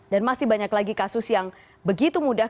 dan masih banyak lagi kasus yang begitu mudah